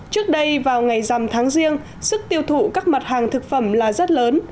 trước đây vào ngày dằm tháng riêng sức tiêu thụ các mặt hàng thực phẩm là rất lớn